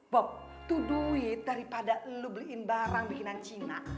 bob tuh duit daripada lo beliin barang bikinan cina